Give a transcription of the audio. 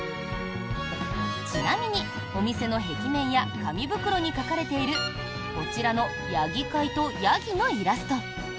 ちなみにお店の壁面や紙袋に描かれているこちらのヤギ飼いとヤギのイラスト。